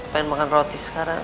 pengen makan roti sekarang